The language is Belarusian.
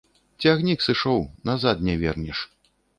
Цягнік сышоў, назад не вернеш.